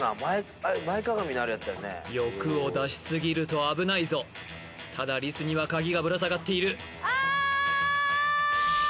欲を出しすぎると危ないぞただリスにはカギがぶら下がっているあ